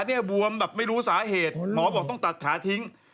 เนี่ยบวมแบบไม่รู้สาเหตุหมอบอกต้องตัดขาทิ้ง